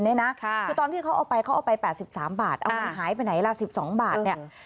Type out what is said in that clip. คือตอนที่เขาเอาไป๘๓บาทเอาไปหายไปไหนล่ะ๑๒บาท